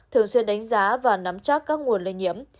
thường xuyên đánh giá và nắm chắc các nguồn lây nhiễm